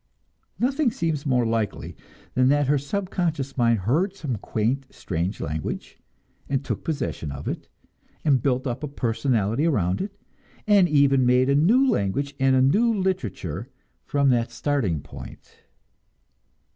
Nothing seems more likely than that her subconscious mind heard some quaint, strange language, and took possession of it, and built up a personality around it, and even made a new language and a new literature from that starting point.